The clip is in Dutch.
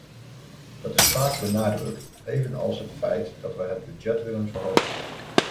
Dat is vaak benadrukt, evenals het feit dat we het budget willen verhogen.